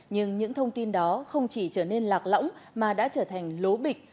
nhưng những thông tin đó không chỉ trở nên lạc lõng mà đã trở thành lố bịch